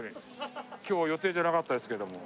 今日予定じゃなかったですけれども。